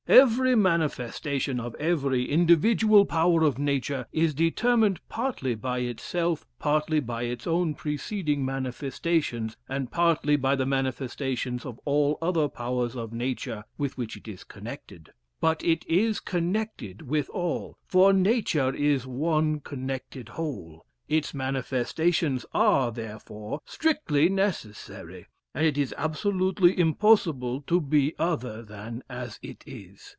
Every manifestation of every individual power of nature is determined partly by itself, partly by its own preceding manifestations, and partly by the manifestations of all other powers of nature with which it is connected; but it is connected with all, for nature is one connected whole. Its manifestations are, therefore, strictly necessary, and it is absolutely impossible to be other than as it is.